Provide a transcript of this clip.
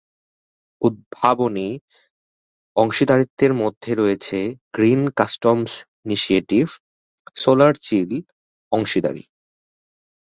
উদ্ভাবনী অংশীদারত্বের মধ্যে রয়েছে গ্রিন কাস্টমস ইনিশিয়েটিভ, সোলার চিল অংশীদারি।